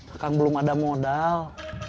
akang belum ada modal